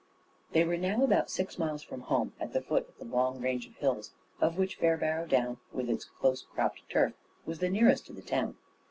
They were now about six miles from home, at the foot of the long range of hills, of which Fairbarrow Down, with its close cropped turf, was the nearest to the town.